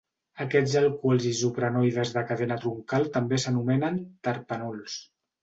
Aquests alcohols isoprenoides de cadena troncal també s'anomenen "terpenols".